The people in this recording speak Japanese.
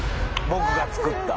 「僕が作った」